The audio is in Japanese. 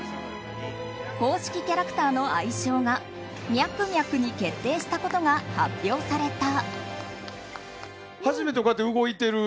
公式キャラクターの愛称がミャクミャクに決定したことが発表された。